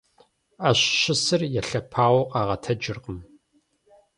Ӏэщ щысыр елъэпауэу къагъэтэджыркъым.